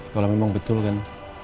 kalau memang betul kan